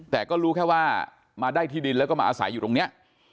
แต่ก็รู้แค่ว่ามาได้ที่ดินแล้วก็มาอาศัยอยู่ตรงนี้